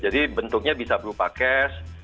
jadi bentuknya bisa berupa cash